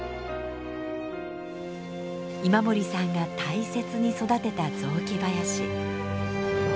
今森さんが大切に育てた雑木林。